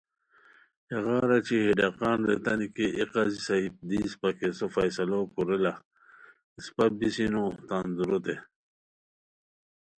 ہیغار اچی ہے ڈاقان ریتانی کی اے قاضی صاحب دی اسپہ کیسو فیصلو کورے لا، اسپہ بیسی نو تان دوروتے